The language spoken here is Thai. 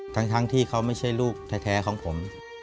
ทั้งที่เขาไม่ใช่ลูกแท้ของผม